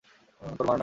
তো মার না।